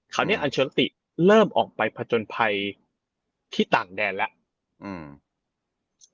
อันเนี้ยอัลเชอร์ติเริ่มออกไปผจญภัยที่ต่างแดนแล้วอืม